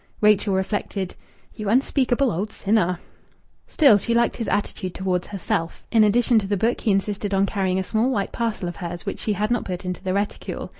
Rachel reflected "You unspeakable old sinner!" Still, she liked his attitude towards herself. In addition to the book he insisted on carrying a small white parcel of hers which she had not put into the reticule.